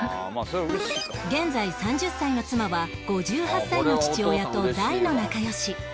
現在３０歳の妻は５８歳の父親と大の仲良し